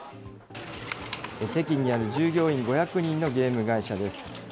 北京にある従業員５００人のゲーム会社です。